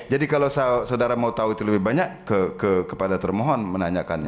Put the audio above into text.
jadi kalau saudara mau tahu itu lebih banyak kepada termohon menanyakannya